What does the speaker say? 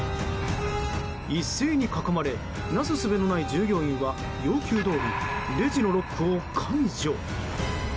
一斉に囲まれなすすべのない従業員は要求どおりレジのロックを解除。